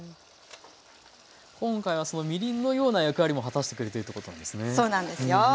今回はそのみりんのような役割も果たしてくれているってことなんですね。